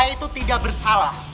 saya itu tidak bersalah